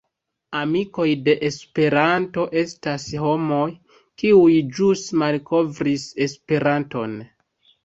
Amikoj de Esperanto estas homoj, kiuj ĵus malkovris Esperanton.